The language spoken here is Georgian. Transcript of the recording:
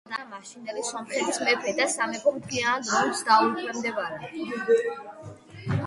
მან გადააყენა მაშინდელი სომხეთის მეფე და სამეფო მთლიანად რომს დაუქვემდებარა.